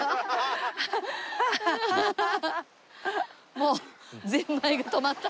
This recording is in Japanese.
もうぜんまいが止まった。